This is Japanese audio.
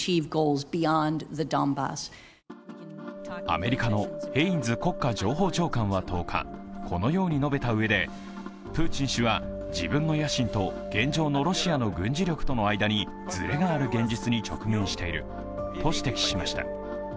アメリカのヘインズ国家情報長官は１０日、このように述べたうえでプーチン氏は自分の野心と現状のロシアの軍事力との間にずれがある現実に直面していると指摘しました。